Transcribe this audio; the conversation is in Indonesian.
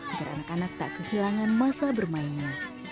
agar anak anak tak kehilangan masa bermainnya